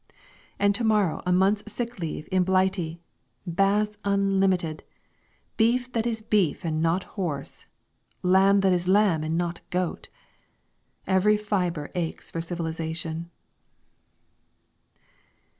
And to morrow a month's sick leave in Blighty! Baths unlimited! Beef that is beef and not horse! Lamb that is lamb and not goat! Every fibre aches for civilisation.